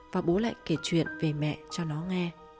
và bố lại kể chuyện về mẹ cho nó nghe